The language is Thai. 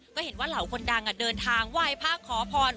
ก็เห็นว่าเหล่าคนดังเดินทางไหว้พระขอพร